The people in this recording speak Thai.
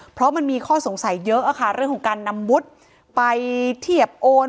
เพราะมันมีข้อสงสัยเยอะค่ะเรื่องของการนำวุฒิไปเทียบโอน